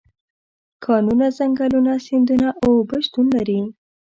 کانونه، ځنګلونه، سیندونه او اوبه شتون لري.